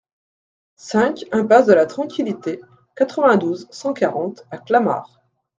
cinq impasse de la Tranquilité, quatre-vingt-douze, cent quarante à Clamart